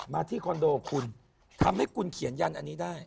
ที่คอนโดคุณทำให้คุณเขียนยันอันนี้ได้